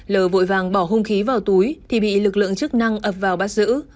lờ vàng bỏ hung khí vào túi thì bị lực lượng chức năng ập vào bắt giữ